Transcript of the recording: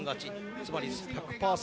つまり１００％。